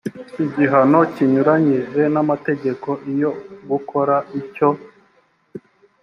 igihano kinyuranyije n amategeko iyo gukora icyo